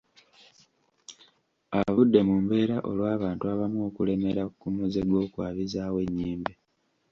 Avudde mu mbeera olw’abantu abamu okulemera ku muze gw’okwabizaawo ennyimbe